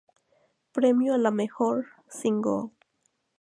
Premio a la Mejor Single.